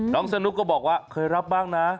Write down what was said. สนุกก็บอกว่าเคยรับบ้างนะ